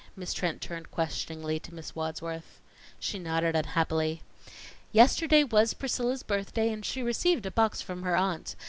Mrs. Trent turned questioningly to Miss Wadsworth. She nodded unhappily. "Yesterday was Priscilla's birthday, and she received a box from her aunt.